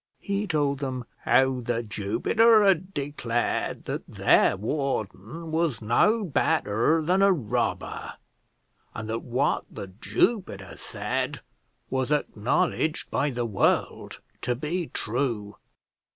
He told them how The Jupiter had declared that their warden was no better than a robber, and that what The Jupiter said was acknowledged by the world to be true.